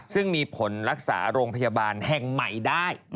ซึ่งมีผลรักษาโรงพยาบาลแห่งใหม่ได้